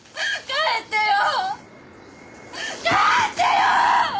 帰ってよ！